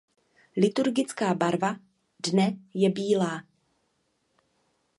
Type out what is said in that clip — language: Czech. Liturgická barva dne je bílá.